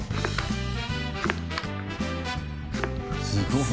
すごい。